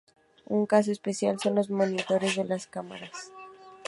Un caso especial son los monitores de las cámaras.